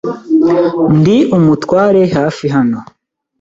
Ndi umutware hafi hano.